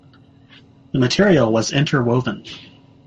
The material was interwoven.